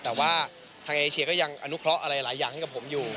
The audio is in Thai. แต่ว่าทางเอเชียก็ยังอนุเคราะห์อะไรหลายอย่างให้กับผมอยู่